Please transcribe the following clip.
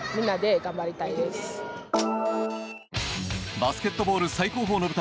バスケットボール最高峰の舞台